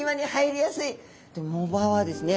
藻場はですね